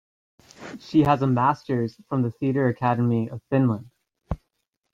She has a master's from the Theatre Academy of Finland.